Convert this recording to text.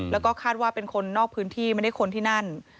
แล้วก็คาดว่าเป็นคนนอกพื้นที่ไม่ได้คนที่นั่น